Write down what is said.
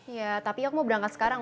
ya tapi ya aku mau berangkat sekarang